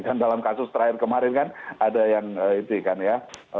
dan dalam kasus terakhir kemarin kan ada yang itu ya